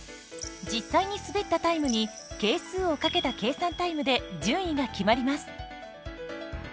実際に滑ったタイムに係数をかけた計算タイムで順位が決まります。